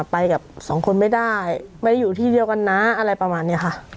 ไปกับสองคนไม่ได้ไม่ได้อยู่ที่เดียวกันนะอะไรประมาณนี้ค่ะ